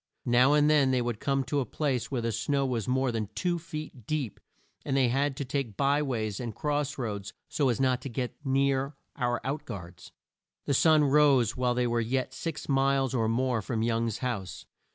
Now and then they would come to a place where the snow was more than two feet deep, and they had to take by ways and cross roads so as not to get near our out guards. The sun rose while they were yet six miles or more from Young's house.